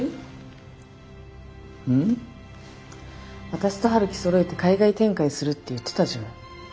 私と陽樹そろえて海外展開するって言ってたじゃない。